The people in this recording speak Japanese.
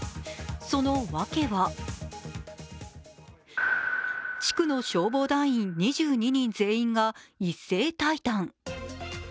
その訳は、地区の消防団員２２人全員が一斉退団。